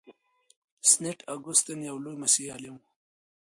سینټ اګوستین یو لوی مسیحي عالم و.